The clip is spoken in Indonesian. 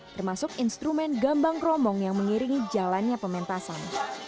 termasuk instrumen gambang kromong yang mengiringi jalannya pementasan